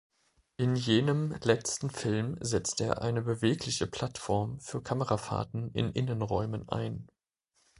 In jenem letzten Film setzte er eine bewegliche Plattform für Kamerafahrten in Innenräumen ein.